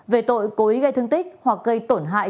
về tội cố ý gây thương tích hoặc gây tổn hại